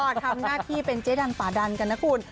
ก็ทำหน้าที่เป็นเจ๊ดันฝ่าดันกันนะคุณ